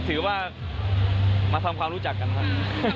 ถือว่ามาทำความรู้จักกันครับ